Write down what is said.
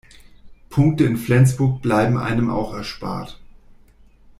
Punkte in Flensburg bleiben einem auch erspart.